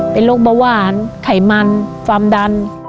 เป็นโรคเบาหวานไขมันความดัน